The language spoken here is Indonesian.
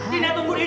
dina tunggu din